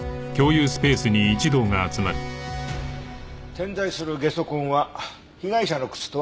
点在するゲソ痕は被害者の靴とは別物。